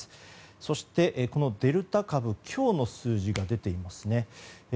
そして、このデルタ株今日の数字が出ています。